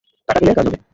টাকা দিলে কাজ হবে।